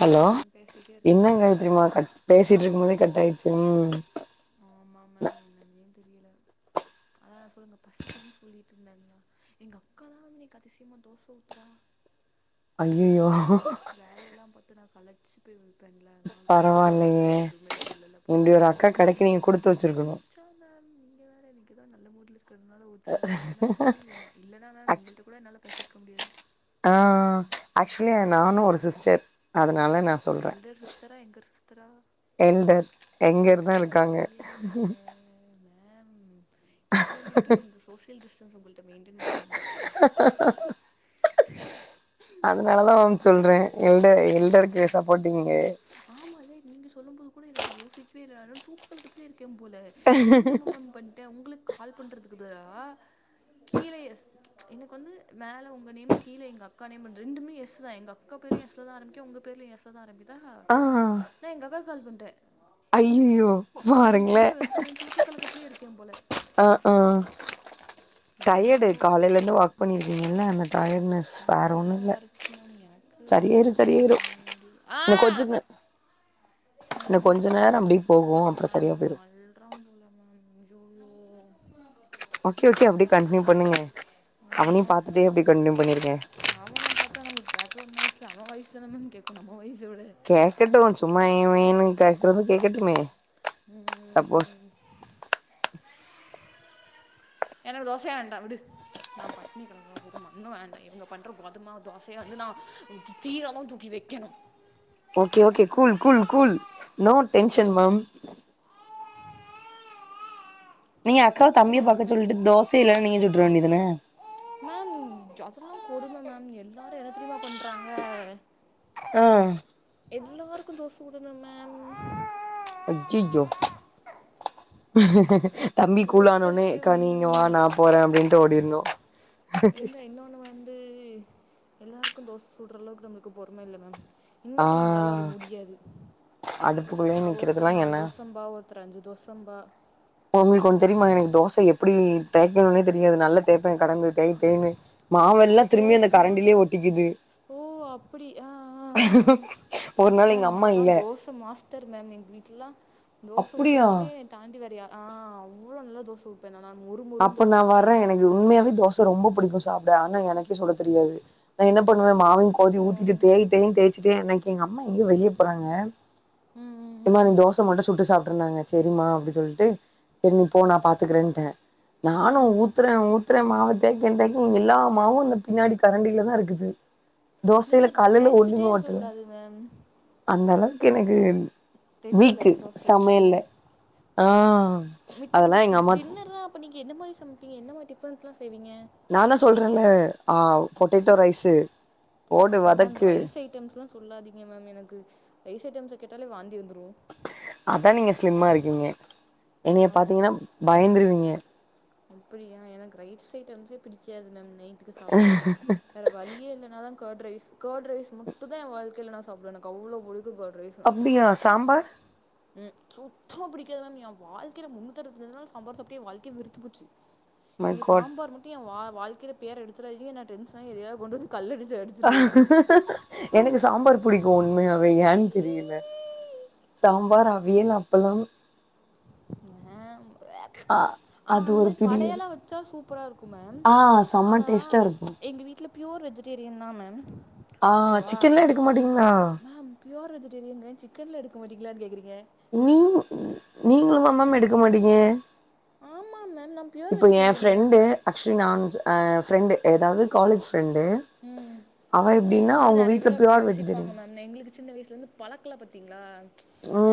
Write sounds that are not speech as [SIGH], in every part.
hello பேசிட்டே இருக்கும்போது என்ன காயத்ரிமா ஆயிட்டு கட் பேசிட்டு இருக்கும் போதே கட் ஆய்ட்ச்சு மம் ஆமாம் மேம் என்னன்னெ தெரியல அதா நா சொல்லுங்க பசிக்குதுன்னு சொல்லிட்டு இருந்தங்களா எங்க அக்காலா வந்து இன்னிக்கு அதசயமா தோச ஊத்துறா ஐய்யயோ வேலையெல்லா பாத்து நா கழச்சி போய் வந் இப்பன்ல அதுனால தோச ஊத்துறா இன்னிக்கு பரவாயில்லையே எயன்ட எதுவுமே சொல்லல்ல போல இப்டி ஒரு அக்கா நீங்க கெடைக்க இன்னைக்கு குடுத்து வச்சிருக்கணு ஓட்காந்து க்ஷ மேம் நீங்க வேற இன்னக்கி தா நல்ல மூடுல இருக்கு இருக்கறதுனால ஊத்துரா இல்லன்னா கிழல் என்ன இல்லன்னா மேம் ஆக்ச் உங்கள்கிட்ட கூட என்னால பேசி இருக்க முடியாது ஆ ஆக்சுவலி நானு ஒரு சிஸ்டர் அதனால நா சொல்ற எல்டர் சிஸ்டரா எங்கர் சிஸ்டரா எல்டர் யங்கர் தா இருக்காங்க ஐயைய மேம் இதுல்ல மட்டும் கொஞ்ச சோசியல் டிஸ்டன்ஸ் உங்கள்ட மெயின்டெயின் பண்ணணும் போலயே அதுனாலதா மேம் சொல்ற எல்ட எல்டருக்கு சப்போர்ட்டிங்கு ஆமால்ல நீங்க சொல்லும் போது கூட எனக்கு யோசிக்கவே இல்ல நா அதா தூக் கலக்கத்துலயே இருக்க போல என்ன தெரியுமா மேம் பண்ணிட்ட உங்களுக்கு கால் பண்றதுக்கு பதிலா கீழ எஸ் எனக்கு வந்து மேல உங்க நேம் கீழ எங்க அக்கா நேம் ரெண்டுமே எஸ் தா எங்க அக்கா பேரு எஸ் ல தா ஆரம்பிக்கு உங்க பேர்லயு எஸ்ல தா ஆரம்பிக்குதா ஆ நா எங்க அக்காக்கு கால் பண்ட ஐய்யோ பாருங்கள தூக்க கலக்கத்துலயே இருக்க போல ஆ ஆ டயர்டு என்னவோ காலையிலருந்து ஒர்க் பண்ணிருக்கீங்கல்ல அந்த டயர்டனஸ் நல்ல ஒர்க் மேம் எனக்கு சரியாயிரு சரியாயிரு முடில ஆ இந்த கொஞ்ச இந்த ம் கொஞ்ச நேர அப்டி போகு ஓ அப்பற மேம் சரியா போயிரு [UNINTELLIGIBLE] போல மேம் ஐயயோ ஓகே ஓகே அப்டியே கண்டினியூ பண்ணுங்க அவனையு பாத்துட்டே அப்டியே கண்டினியூ பண்ணிருங்க அவன பாத்தா நம்மளுக்கு பாக்க்ரௌன்ட் நாய்ஸ்ல அவ வாய்ஸ் தான மேம் கேக்கும் நம்ம வாய்ஸ்சோட கேக்கட்டு சும்மா ஏ வேன்னு கேக்கறது கேக்கட்டுமே ம் ம் சப்போஸ் ம் ம் எனக்கு தோசய வேண்டா விடு நா பட்னி கெடக்குற எனக்கு ஒரு மண்ணு வேண்டா இவுங்க பண்ற கோதுமமாவு தோசய வந்து நா தீலத்தா தூக்கி வெய்க்கணு okay okay cool cool cool no tension ma'am நீங்க அக்காவ எப்படி தம்பிய பாக்க அழுறான் பாரு சொல்லிட்டு தோசயில்லன்னா நீங்க சுட்ற வேண்டியதுதன்ன மேம் ஜ அதல்லா கொடும மேம் எல்லாரு என்னத்தெரியுமா பண்றாங்க ஆ எல்லாருக்கும் தோச சுடன்னு மேம் ஐய்யோ தம்பி கூல் ஆனோனே ஒருத்தருக்கே அக்கா நீ இங்க மூணு வா நா போற அப்டின்ட்டு ஓடிருணு இல்ல இன்னொன்னு வந்து எல்லாருக்கும் தோச சுடுற அளவுக்கு நம்மளுக்கு பொறும இல்ல மேம் ஆ இன்னைக்கி நம்மளால அது முடியாது அடுப்புக்குள்ளயே ந நிக்கிறதுலா ஒருத்தர் நாலு என்ன தோச திம்பா ஒருத் ரு அஞ்சு தோசம்பா உங்கள்க்கு ஒன்னு தெரியுமா எனக்கு தோச எப்டி தேக்கணுனே தெரியாது நல்ல தேப்பே கடந்து தேய் தேய்னு மாவெல்லா திரும்பி அந்த தேய்ப்பேனா கரண்டிலே ஒட்டிக்கிது ஓ அப்டி அ அ அ ஒரு நாள் எங்க மேம் அம்மா நாலா இல்ல தோச மாஸ்டர் மேம் எங்க வீட்லல்லா தோச அப்டியா ஊத்னுனாலே தாண்டி வரியா அ அவ்ளோ நல்ல தோச ஊத் துவே நல்லா மொரு மொரு அப்ப நா வர்றே எனக்கு உண்மையாவே தோசை ரொம்ப புடிக்கு சாப்ட ஆனா எனக்கே சுட தெரியாது நா என்ன பண்ணுவே மாவயு கோதி ஊத்திட்டு ம் தேய் தேய் தேச்சுட்டே அன்னைக்கு எங்க அம்மா எங்க வெளிய போறாங்க ம் ம் ஏம்மா நீ ம் ம் தோச மட்டு சுட்டு சாப்ட்ருன்னாங்க சரிமா அப்டி சொல்டு சேரி நீ போ நா பாத்துக்கறேன்டே நானு ம் ஊத்துறே ஊத் ர மாவ தேக்க தேக்க எல்லா மாவு அந்த பின்னாடி கரண்டிலதா இருக்குது தோசையில நீங்க கலுல ஒண்ணுமே தேய்ச்சிட்டே ஓட்டல இருக்கக்கூடாது மேம் அந்த அளவுக்கு எனக்கு தெரியல வீக்கு தோசை ஊத்த என்ன சமையல்ல ஆ அதெல்லா எங்க அம்மா அப்ப நீங்க மாரி சமைப்பீங்க என்ன மாரி டிஃப்ன்ஸ்லா செய்வீங்க நான்தா சொல்றலே ஆவ் பொட்டேட்டோ ரைஸ்ஸு போடு அத மேம் வதக்கு ரைஸ் ஐட்டம்ஸ்லா சொல்லாதிங்க மேம் எனக்கு ரைஸ் ஐட்டம்ஸ கேட்டாலே வாந்தி வந்துரு அதா நீங்க ஸ்லிம்மா இருக்கீங்க என்னய பாத்திங்கன்னா பயந்துருவீங்க அப்பிடியா எனக்கு ரைட்ஸ் ஐட்டம்ஸே பிடிக்காது மேம் நைட்டுக்கு சாப்ட வேற வழிய இல்லனாதா கேர்ட் ரைஸ் கேர்ட் ரைஸ் மட்டுதா எ வாழ்க்கைல நா சாப்டுவே எனக்கு அவ்ளோ புடிக்கு கேர்ட் ரைஸ் அப்டியா சாம்பார் ம் சுத்தமாக பிடிக்காது மேம் எ வாழ்க்கைல முன்னுத்தி அருவத்தி அஞ்சி நாலு சாம்பார் சாப்ட்டே வாழ்க்கையே வெறுத்து போச்சு மை நீங்க காட் சாம்பார் மட்டு எ வாழ்க்கையே பேர் எடுத்துராந்திங்க நா டென்டசன்னாயி எதாயாது கொண்டு வந்து கல்எடுத்து அடி எனக்கு சாம்பார் புடிக்கு உண்மையாவே ஏன்னு தெரில சீ சாம்பார் அவியல் அப்பளம் மேம் ஆ அ அது அந்த ஒரு மாரி பிரியல் படையெல்லா வச்சா சூப்பரா இருக்கு ஆ செம்ம ஆனா டேஸ்ட்டா இருக்கு எங்க வீட் ல ப்யூர் வெஜிடேரியன் தா மேம் ஆ சிக்கன்லா எடுக்க மாட்டிங்ல்லா பியோர் வெஜிடேரியன்க சிக்கன்லா எடுக்க மாட்டிங்ளான்னு கேகாகுறீங்க நீ நீங்ளுமா மேம் எடுக்க மாட்டிங்க ஆமா மேம் நான் பியூர் இப்போ எ வெஜிடேரியன் மேம் ஃப்ரெண்டு ஆக்சுவலி நா எ ஃப்ரெண்டு ஏதாது காலேஜ் ஃப்ரெண்டு ம் அவ எப்டின்னா அவுங்க வீட்ல ப்யோர் வெஜிடேரியன் எங்ளுக்கு சின்ன வயசுல இருந்து பழக்ல பத்திங்ளா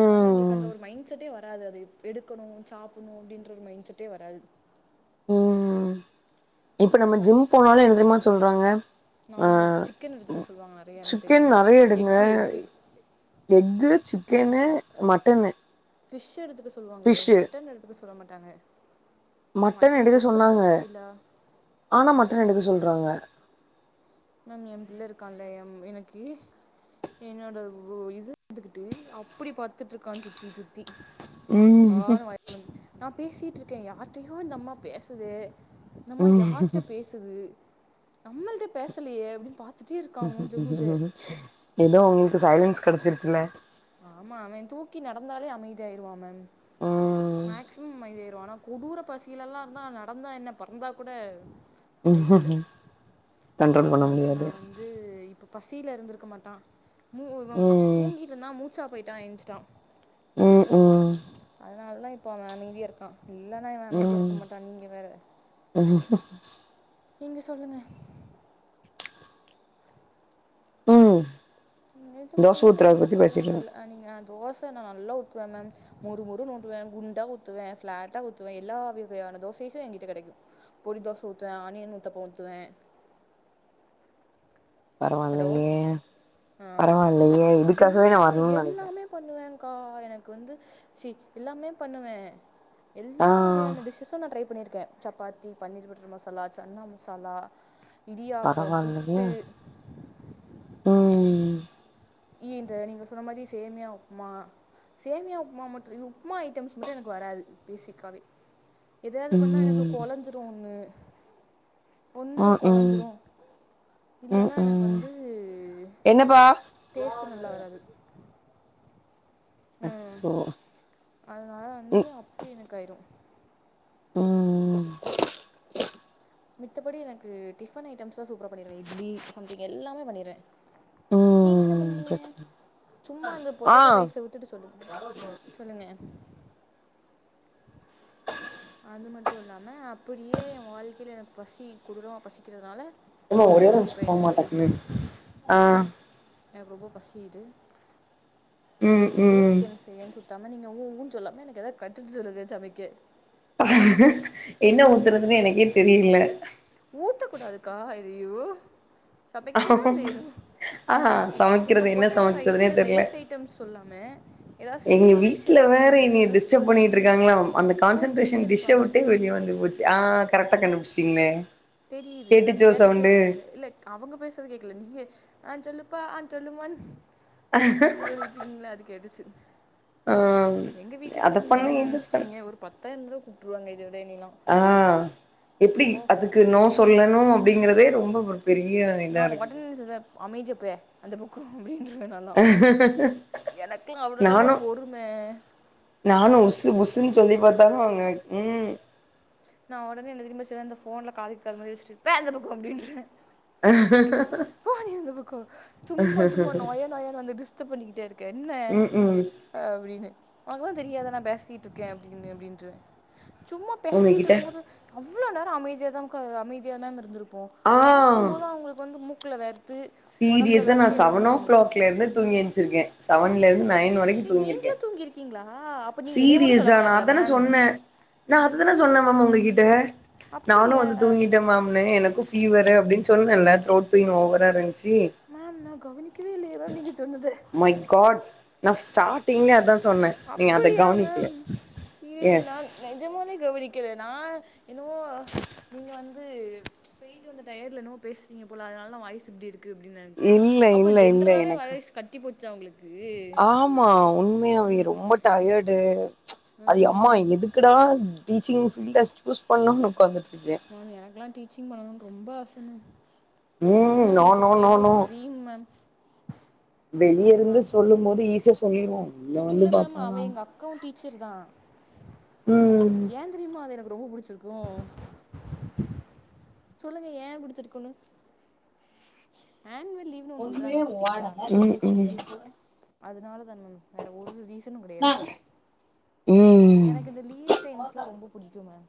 அதுனால எங்களுக்கு அந்த ஒரு மைண்ட் செட்டே வராது அது எடுக்கணு சாப்புட்ணு அப்டின்ற ஒரு மைண்ட செட்டே வராது ம் இப்ப நம்ம அவ்ளோதான் ஜிம் போனாலே என்ன தெரியுமா சொல்றாங்க அ நான்வெஜ் சிக்கன் எடுத்துக்க சொல்லுவாங்க நிறைய எனக்கு சிக்கன் தெரியுமே நறைய எடுங்க egg egg egg chicken mutton fish எடுத்துக்க சொல்லுவாங்ளே ஃபிஷ்ஷு மட்டன் எடுத்துக்க சொல்ல மாட்டாங்க மட்டன் எடுக்க கொழுப்பு சொன்னாங்க ஜாஸ்திலா ஆனா மட்டன் எடுக்க சொல்றாங்க மேம் என் பிள்ள இருக்காலே எம் எனக்கு என்னோட இது எடுத்துக்கிட்டு அப்பிடி பாத்துட்ருக்கா சுத்தி சுத்தி ம் ஆனு வாய் பொலந்து நா பேசிட்டு இருக்கே யார்டையோ இந்த அம்மா பேசுதே இந்த அம்மா யார்ட்ட பேசுது நம்மள்டே பேசலையே அபடின்னு பாத் துட்டே இருக்கா மூஞ்ச மூஞ்ச எதோ உங்களுக்கு சைலன்ஸ் கெடச்சிருச்சுல ஆமா அவே தூக்கி நடந்தாலே அமைதியாயிருவா மேம் ம் மேக்சிமம் அமைதி ஆயிருவா ஆனா கொடூர பசிலல்லா இருந்தா நடந்தா என்ன பறந்தா கூட வாய்ப்பில கண்ட்ரோல் பண்ண அதனால நா முடியாது வந் ந்து இப்ப பசில இருந்திருக்க மாட்டா மூ இவ அ ம் தூங்கி னா மூச்சா போய்ட்டா எஞ்சிட்டா ம் ம் அதனால தா இப்போ அவ அமைதியா இருக்கா இல்லனா இவே அமைதியா இருக்க ம் மாட்டா நீங்க வேற [UNINTELLIGIBLE] நீங்க சொல்லுங்க ம் தோச நெஜமாலே எனக்கு ஊத்துறத என்ன பத்தி பேசிட்டு பண்றதுன் இருந்தோ தெர்ல அ நீங்க தோச நா நல்லா ஊத்துவே மேம் மொறு மொறுனு ஊத்துவே குண்டா ஊத்துவே ஃப்ளாட்டா ஊத்துவே எல்லா வகையான தோசைஸ்ஸூ ஏங்கிட்ட கெடைக்கு பொடி தோச ஊத்துவே ஆனியன் ஊத்தப்பொ ஊத்துவே ஹலோ பரவாயில்லையே ஆ அதா பரவாயில்லையே இதுக்காகவே டின்னருக்கு நா வரணும்னு நெனைக்கிறே எல்லாமே பண்ணுவேக்கா எனக்கு வந்து சீ எல்லாமே பண்ணுவே எல்லா ஆ வகையான டிஷ்ஷஸு நா ட்ரை பண்ணிருக்க சப்பாத்தி பன்னீர் பட்ரு மசாலா சன்னா மசாலா இடியாப்போ பரவாயில்லையே புட்டு ம் இ இந்த நீங்க சொன்ன மாரி சேமியா உப்புமா சேமியா உப்புமா மட்டு இ உப்புமா ஐட்டம்ஸ் மட்டு எனக்கு வராது பேசிக்காவே எதயாது பண்ணா எனக்கு ம் கொலஞ்சுருன்னு ஒன்னு ம் ம் கொலஞ்சுரு ம் இல்லன்னா எனக்கு ம் வந்து என்னப்பா டேஸ்ட்டு நல்லா வராது அச்சசோ அதனால வந்து அப்டி எனக்கு ஆயிரு ம் ம் மித்தப்படி எனக்கு டிஃபன் ஐட்டம்ஸ்லா சூப்பரா பண்ணிருவே இட்லி சம்திங் எல்லாமே பண்ணிருவே நீங்க என்ன ம் பண்ணுவீங்க பிரச்சன சும்மா அந்த ஆ பொட்டேட்டோ ரைஸ்ஸ விட்டுட்டு சொல்லுங்க சொல்லுங்க அது மட்டு இல்லாம அப்டியே எ வாழ்க்கைல எனக்கு பசி கொடுறமா பசிக்கிறதுனால எனக்கு இப்போ என்ன செய்ய தெரியும் ஆ எனக்கு ரொம்ப பசிக்குது ம் சோ ம் சோத்துக்கு என்ன செய்யன்னு சொல் தன நீங்க உ உ னு சொல்லாம எனக்கு எதாவ் கருத்து சொல்லுங்க சமைக்க என்ன ஊத்துறதுன்னு எனக்கே தெரில ஊத்தக் கூடாதுக்கா அய்யயோ சமைக்கதா செய்யணு ஆ நீங்க சமைக்கிறது என்ன பொட்டேட்டோ ரைஸ் சமைக்கிறதுனே தெர்ல ரைஸ் ஐட்டம் சொல்லாம எதாவ் எங்க சிம்பிள் டிஷ் வீட்ல ஏதாவது வேற உங்களுக்கு என்னைய தெரிஞ்சா டிஸ்டர்ப் சொல்லுங்க பண்ணிட்டு இருக்காங்களாம் அந்த கூப்ட்டுக்கிட்டே கான்சன்டேரஷன் டிஷ்ஷ இருப்பாங்க விட்டே வெளிய வந்து போச்சு ஆ கரெக்ட்டா கண்டுபுடிச்சிட்டிங்ளே தெரியுது ஏனா கேட்டுட்டே இருக்கம்ல இல்ல அவங்க பேசுறது கேக்குல நீயே ஆ சொல்லுப்பா ஆ சொல்லுமானு [INAUDIBLE] திங்ல அது கெடச்து ஆ எங்க வீட்ல அத மட்டு நீங்க பண்ணு என்னென்ன இத பண்ணு நெனச்ட்டீங்க ஒரு பத் தாயிரம் தடவ கூப்ட்டுருவாங்க இத விட என்னேலா ஆஹ்ன் எப்டி அதுக்கு நோ சொல்லணு அப்டிங்கறதே ரொம்ப பெரிய இதா நான் இருக்குது ஒடனே சொல்றே அமைதியப்பே அந்த பக்கோ அப்படின்ருவே நாலா எனக்லா அவ்ளோ தாங்க நானு பொறுமே நானு உசு புசுன்னு சொல்லி பாத்தாலு அவங்க உம் நான் உடனே என்ன தெரிமா செய்வே அந்த ஃபோன்ல காது கேக்காத மாரி வச்சிட்டு பே அந்த பக்கோ அப்டின்றுவே [INAUDIBLE] போ நீ அந்த பக்கோ சும்மா சும்மா நொய நொயனு வந்து டிஸ்டர்ப் பண்ணிக்கிட்டே இருக்க என்ன ம் ம் அப்டினு அதான் தெரியாதா நான் பேசிட்டு இருக்கே அப்டின்னு அப்டின்ருவே சும்ம பேசிட்டு உங்ககிட்ட இருக்கு போது அவ்ளோ நேரோ அமைதியா தான் கா அமைதியா மேம் இருந்திருப்போ ஆ பேசும் போது அவுங்களுக்கு வந்து மூக்குல வேர்த் சீரியஸ்ஸா நான் சவன் ஓ கிளாக்ல இருந்து தூங்கி எந்சிருக்கே சவன்ல இருந்து நையன் வரைக்கு தூங்கிருக்கே இருங்கீங்களா அப்ப நீங்க என்னைய மட்டு சொல்ல கூடாதுல மேம் நான் அதுதானே சொன்னேன் மேம் உங்ககிட்ட நானு அப்படியா வந்து தூங்கி இல்ல மாம்னு எனக்கு ஃபீவரு அப்டின்னு சொன்னேன்ல தோர்ட் பெயின் ஓவரா இருந்துச்சு மேம் நான் கவனிக்கவே இல்ல மேம் நீங்க சொன்னத மை காட் நான் ஸ்டார்டிங்லே அதான் சொன்னே நீங்க அத அப்படியா மேம் கவனிக்கல இ இது எஸ் நான் நெஜமாவே கவனிக்கல நான் என்னவோ நீங்க வந்து பெயிட்டு வந்த டயடுல என்னவோ பேசுறீங்க போல அதனால தான் வாய்ஸ் இப்டி இருக் கு அப்டினு நெனச்சே இல்ல அப்ப இல்ல இல்ல ஜென்ரலாவே எனக்கு வாய்ஸ் கட்டி போச்சா உங்களுக்கு ஆமா உண்மையாவே ரொம்ப டயடு அது எம்மா ம் எதுக்குடா டீச்சிங் ஃபீல்ட சூஸ் பண்ணோம்னு உட்காந்துட்டு இருக்கே மேம் எனக்கெல்லா டீச்சிங் பண்ணணும்ன்னு ரொம்ப ஆச ம் சின்ன நோ வயசு no no childhood no dream ma'am வெளிய தெரியுமா இருந்து சொல்லு போது ஈசியா சொல்லிருவோ உள்ளே வந்து பாத்தாதா அக்காவு டீச்சர் தா உம் தெரியுமா அது எனக்கு ரொம்ப புடிச்சிருக்கு சொல்லுங்க ஏன் புடிச்சிருக்குன்னு ஆன்வல் லீவு இன்னொன்னுவிட்றாங்க பாத்தீங்களா ம் ம் அதனாலதாங் மேம் வேற ஒரு ரீசனு கெடையாது ம் எனக்கு இந்த லீவ் டைம்ஸ்லா ரொம்ப புடிக்கு மேம்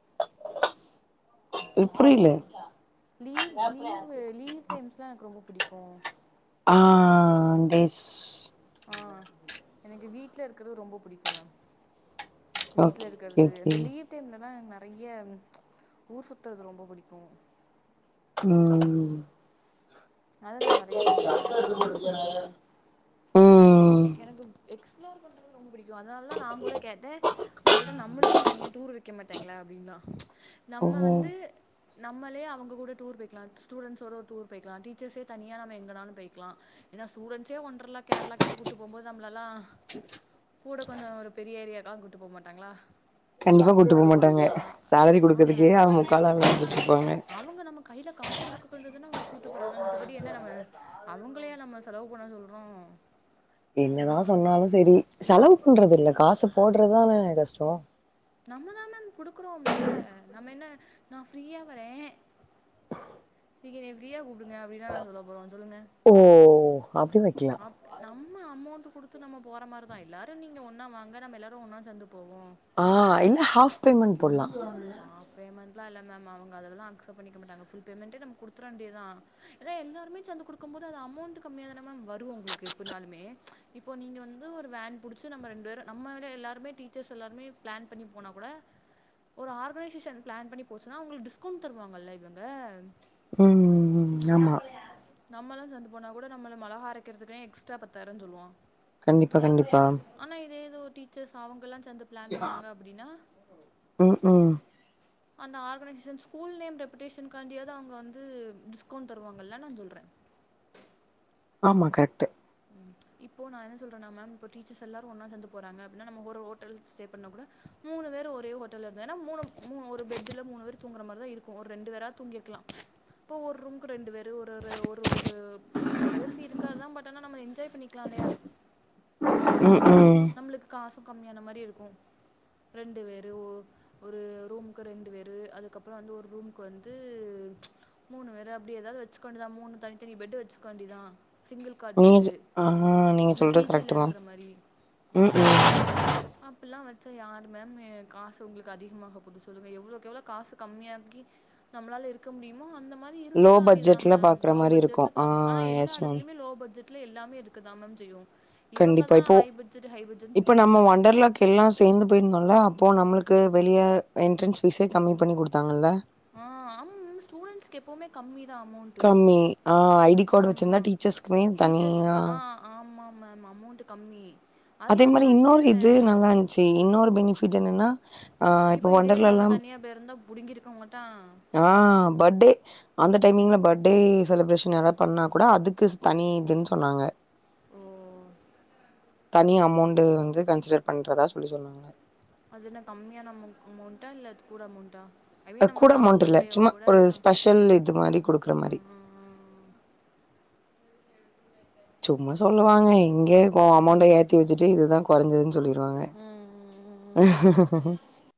எனக் புரில லீவ் லீவ் லீவ் டைம்ஸ்லாம் எனக்கு ரொம்ப புடிக்கு மேம் ஆஹ்ன் டேஸ் ஆஹ்ன் எனக்கு வீட்ல இருக்குறது ரொம்ப புடிக்கு மேம் வீட்ல ஓகே ஓகே இருக்குறது ஓகே இந்த லீவ் டைம்லலாம் எனக்கு நெறைய ஊர் சுத்றது ரொம்ப புடிக்கு ம் அது நா நெறைய பண்ணுவே எனக்கு அது ரொம்ப புடிக்கு மேம் ம் எனக்கு எக்ஸ்ஃபுளோர் பண்றது ரொம்ப பிடிக்கு அதனாலதான் நா கூட கேட்டே நம்மள்ட நம்மளுக்கு தனியா டூர் வைக்க மாட்டாங்களா அப்டின்லா நம்ம ஓ வந்து நம்மலே அவங்க கூட ட்டூர் போய்க்கலாம் ஸ்டுடன்டோட ஒரு டூர் போய்க்கலா டீ ச்சர்ஸே தனியா நம்ம எங்கனாலு போய்க்லா ஏன்னா ஸ்டூடண்ஸே ஒன்டர்ல்லா கேர்ளா கிட்ட கூட்டு போகும்போது நம்ள எல்லா கூட கொஞ்சோ ஒரு பெரிய ஏரியாக்கல்லா கூப்புட்டு போக மாட்டாங்களா கண்டிப்பா கூப்புட்டு போக மாட்டாங்க சேலரி யா குடுக்கறதுக்கே மேம் அவுங்க முக்கால அழுதுட்டு இருப்பாங்க கையில காசு குடுக்கன்றதுன்னா அவுங்க கூட்டு போறாங்க மித்தபடி என்ன நம்ம அவுங்களயா நம்ம செலவு பண்ண சொல்றோ என்னதா சொன்னாலு செரி செலவு பண்றது இல்லை காசு போடுறதுதானே கஷ்டோ நம்ம தான் மேம் குடுக்குறோம்ல நம்ம என்ன நா ஃப்ரீயா வரே நீங்க என்ன ஃப்ரீயா கூப்டுங்க அப்டினா சொல்ல போறோ சொல்லுங்க ஓ அப்டி வைக்கிலா அப் நம்ம அமௌண்ட் குடுத்து நம்ம போற மாரி தா எல்லாரு நீங்க ஒன்னா வாங்க நம்ம எல்லாரு ஒன்னா சேந்து போவோ ஆ இல்ல ஹாஃப் பேமெண்ட் போட்லா ஹாஃப் பேமெண்ட்லா இல்ல மேம் அவுங்க அதுல தா அக்செப்ட் பண்ணிக்க மாட்டாங்க ஃபுல் பேமெண்டே நம்ப குடுத்துற வேண்டியதா றே எல்லாருமே சேந்து குடுக்கு போது அது அமௌண்ட் கம்மியா தானே மேம் வரு உங்களுக்கு எப்டினாலுமே இப்போ நீங்க வந்து ஒரு வேன் புட்ச்சு நம்ம ரெண்டு பேரு நம்மலே எல்லாருமே டீச்சர்ஸ் எல்லாருமே பிளான் பண்ணி போனா கூட ஒரு ஆர்கனைசேஷன் பிளான் பண்ணி போச்சுன்னா அவுங்ளுக்கு டிஸ்கவுண்ட் தருவாங்கல்ல இவங்க உம் உம் உம் ஆமா நம்மல்லா சேந்து போனா கூட நம்மள மொளகா அரைக்கிறதுக்குனே எக்ஸ்ட்ரா பத்தாயிரோ சொல்லுவா கண்டிப்பா கண்டிப்பா ஆனா இதே ஏதோ ஒரு டீச்சர்ஸ் அவங்கல்லா சேந்து பிளான் பண்ணாங்க அப்டின்னா உம் உம் அந்த ஆர்கனைசேஷன் ஸ்கூல் நேம் நெப்டேஷேன் காண்டியாவது அவ்ங்க வந்து டிஸ்கவுண்ட் தருவாங்கள நா சொல்றே ஆமா கரெக்ட்டு உம் இப்போ நா என்ன சொல்றேனா மேம் இப்ப டீச்சர்ஸ் எல்லாரு ஒன்னு சேந்து போறங்கப்டின்னா நம்ம ஒர ஹோட்டல ஸ்டே பண்ணா கூட மூணு பேர் ஒரே ஹோட்டல் இருந்த ஏன்னா மூணு மூணு ஒரு பெட்டல மூணு பேர் தூங்குற மாரிதா இருக்கு ஒரு ரெண்டு வேரா தூங்கிருக்ல்லா இப்போ ஒரு ரூம்க்கு ரெண்டு பேரு ஒரு ஒரு பிரைவசிஇருக்காது ஆ பட் தன நம்ம என்ஜாய் பண்ணிக்கல்லையா உம் உம் நம்மளுக்கு காஸ்சு கம்மியான மாரி இருக்கு ரெண்டு பேரு ஓ ஒரு ரூமுக்கு ரெண்டு பேரு அதுக்கப்புறோ வந்து ஒரு ரூமுக்கு வந்து மூணு வேற அப்டி ஏதாவது வச்சுக்க வேண்டியது தா மூணு தனித்தனி பெட்டு வச்சுக்க வேண்டிதா சிங்கிள் கார்ட் நீங்க சொ பெட்டு ஆ இந்த பி ஜி யில இருக்கற மாரி உம் உம் அப்டில்லா வச்சா யாரு மேம் காசு உங்களுக்கு அதிகமாக போது சொல்லுங்க எவ்ளோக்கோ எவ்ளோ காஸ்சு கம்மியாக்கி நம்மளால இருக்க முடியுமோ அந்த மார் லோ இருந்துக் காண்டி தா பட்ஜெட்ல மேம் பாக்குற லோ மாரி இருக்கு பட்ஜெட்ல ஆ பாக்க ஆனா எல்லா எஸ் மேம் எடத்துலையுமே லோ பட்ஜெட் கிலைகள் எல்லாமே இருக்கதா மேம் செய்யு கண்டிப்பா இவங்கதா இப்போ ஹை பட்ஜெட் ஹை பட்ஜெட்னு இப்ப சுத்திட்டு நம்ம இருக்காங்க ஒண்டர்லாக் எல்லா சேந்து போயிருந்தோல்ல அப்போ நம்மளுக்கு வெளிய என்ட்ரன்ஸ் ஃபீஸே கம்மி பண்ணி குடுத்தாங்கல்ல ஆ ஆம மிஸ் ஸ்டூடண்ட்ஸ்க்கு எப்பவுமே கம்மி தா அமௌண்ட் கம்மி ஆ ஐடி கார்டு ஆமா வச்சிருந்தா டீச்சர்ஸ்க்குமே தனியா டீச்சர்ஸ்க்கு ஆ ஆமாம் மேம் அமௌண்ட்டு கம்மி அதே அதனால மரி தான் நான் இன்னொரு இது சொல்கிறேன் நல்லா இருந்துச்சு இன்னொரு பெனிஃபிட் என்னன்னா ஆ இப்ப இதே இது நம்ம ஒண்டர்லாலாம் தனியா போயிருந்தா புடுங்கிருக்க மாட்டா ஆ பட் டே அந்த டைமிங்ல பர்டே செலிப்ரேஷன் எதாது பண்ணா கூட அதுக்குஸ் தனி இதுன்னு சொன்னாங்க ஓ தனி அமௌண்ட் வந்து கன்செட்ர் பண்றதா சொல்லி சொன்னாங்க அது என்ன கம்மியான அமௌண் அமௌண்ட்டா இல்ல அது கூட அமௌண்ட்டா ஐ மீன் நம்ம கூட அமௌண்ட் நார்மல் இல்ல சும்மா பேவோட ஒரு ஆ ஸ்பெஷல் இது மாரி குடுக்கற ஆ மாரி ஆ ஆ சும்மா சொல்லுவாங்க எங்க கோ அமௌண்ட ஏத்தி வெச்சிட்டு இதுதா கொறஞ்சிதுன் சொல்லீர்வாங்க ம் ம் ம் ம் ம்